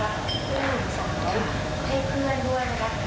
ว่าเพื่อนสองคนให้เพื่อนด้วยนะครับ